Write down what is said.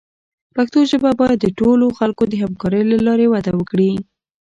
پښتو ژبه باید د ټولو خلکو د همکارۍ له لارې وده وکړي.